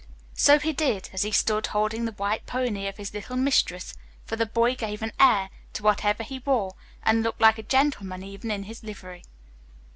So he did, as he stood holding the white pony of his little mistress, for the boy gave an air to whatever he wore and looked like a gentleman even in his livery.